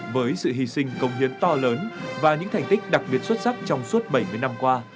với sự hy sinh công hiến to lớn và những thành tích đặc biệt xuất sắc trong suốt bảy mươi năm qua